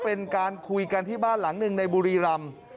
เป็นการคุยกันที่บ้านหลังหนึ่งในบุรีรำ